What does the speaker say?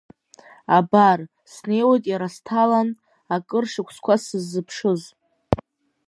Абар, снеиуеит иара сҭалан, акыр шықәса сыззыԥшыз!